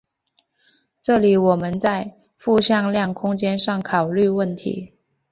这里我们在复向量空间上考虑问题。